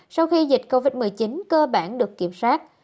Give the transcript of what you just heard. sau khi dịch covid một mươi chín cơ bản được kiểm soát